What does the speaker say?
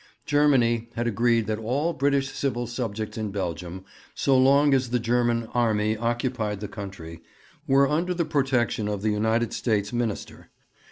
Germany had agreed that all British civil subjects in Belgium, so long as the German army occupied the country, were under the protection of the United States Minister.